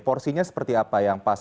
porsinya seperti apa yang pas